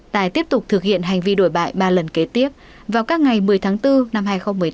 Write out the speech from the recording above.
tài tiếp tục thực hiện hành vi đổi bại ba lần kế tiếp vào các ngày một mươi tháng bốn năm hai nghìn một mươi tám